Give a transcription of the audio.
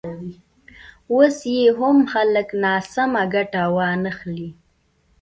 اوس یې هم خلک ناسمه ګټه وانخلي.